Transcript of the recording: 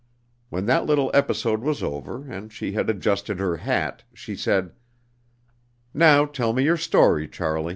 When that little episode was over and she had adjusted her hat, she said: "Now tell me your story, Charlie."